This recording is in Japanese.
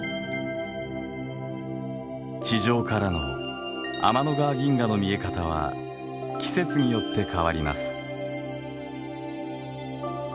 地上からの天の川銀河の見え方は季節によって変わります。